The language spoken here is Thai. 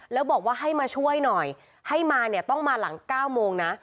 แล้วบอกว่าให้มาช่วยหน่อยให้มาเนี่ยต้องมาหลัง๙โมงนะ